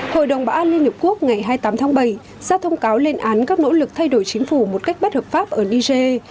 hội đồng bảo an liên hợp quốc ngày hai mươi tám tháng bảy ra thông cáo lên án các nỗ lực thay đổi chính phủ một cách bất hợp pháp ở niger